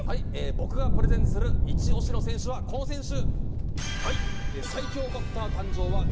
僕がプレゼンするイチオシの選手はこの選手。